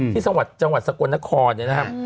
ที่จังหวัดสกลนครเนี่ยนะครับ